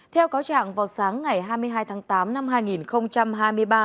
theo cáo trạng vào sáng ngày hai mươi hai tháng tám năm hai nghìn hai mươi ba